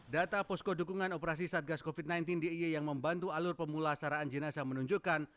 data posko dukungan operasi satgas covid sembilan belas d i e yang membantu alur pemulasaraan jenazah menunjukkan